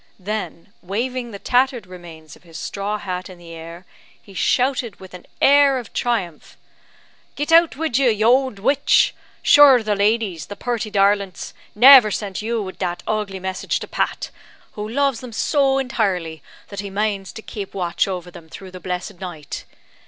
Then waving the tattered remains of his straw hat in the air, he shouted with an air of triumph, "Git out wid you, you ould witch! Shure the ladies, the purty darlints, never sent you wid that ugly message to Pat, who loves them so intirely that he manes to kape watch over them through the blessed night."